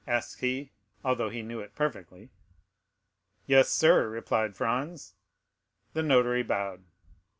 asked he, although he knew it perfectly. "Yes, sir," replied Franz. The notary bowed.